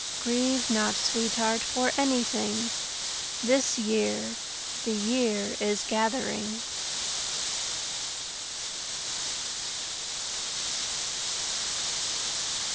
Grieve not, sweetheart, for anything The year, the year is gathering.